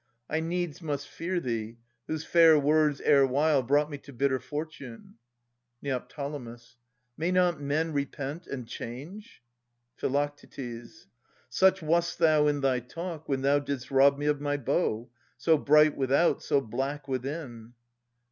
I needs must fear thee, whose fair words erewhile Brought me to bitter fortune. Neo. May not men Repent and change? Phi. Such wast thou in thy talk. When thou didst rob me of my bow, — so bright Without, so black within.